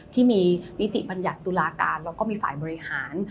ที่มีนิติบัญญัติตุลาการแล้วก็มีฝ่ายบริหาร